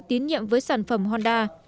tín nhiệm với sản phẩm honda